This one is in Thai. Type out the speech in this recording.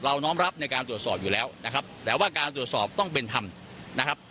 น้อมรับในการตรวจสอบอยู่แล้วนะครับแต่ว่าการตรวจสอบต้องเป็นธรรมนะครับ